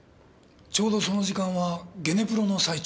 ちょうどその時間はゲネプロの最中でした。